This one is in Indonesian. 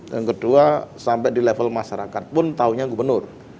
yang kedua sampai di level masyarakat pun tahunya gubernur